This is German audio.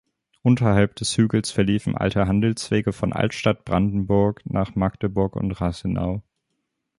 Unterhalb des Hügels verliefen alte Handelswege von Altstadt Brandenburg nach Magdeburg und Rathenow.